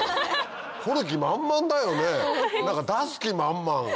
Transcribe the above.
掘る気満々だよね何か出す気満々。